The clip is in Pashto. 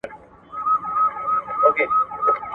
¬ خبره له خبري پيدا کېږي.